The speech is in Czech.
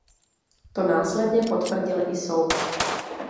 To následně potvrdil i soud.